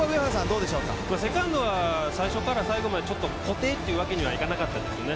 セカンドは最初から最後まで固定というわけにはいかなかったですね。